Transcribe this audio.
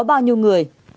bao nhiêu người